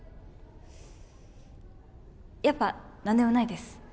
やっぱ何でもないです